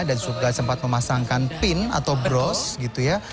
dan juga sempat memasangkan pin atau bros gitu ya